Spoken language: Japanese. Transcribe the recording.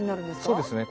そうですね。